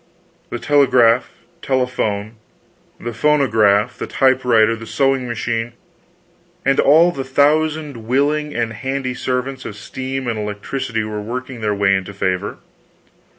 The telegraph, the telephone, the phonograph, the typewriter, the sewing machine, and all the thousand willing and handy servants of steam and electricity were working their way into favor.